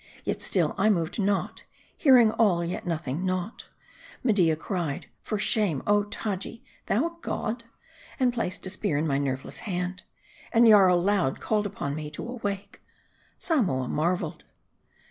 Yet still I moved not, hearing all, yet noting naught. Media cried, " For shame, oh Taji ; thou, a god ?" and placed a spear in my nerveless hand. And Jarl loud called upon me to awake. Samoa marveled.